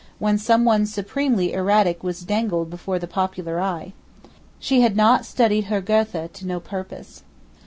when someone supremely erratic was dangled before the popular eye. She had not studied her Goethe to no purpose.